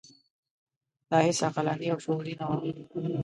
دا هیڅ عقلاني او شعوري نه وه.